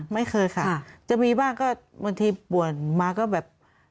ไม่เคยค่ะจะมีบ้างก็บางทีป่วนมาก็แบบ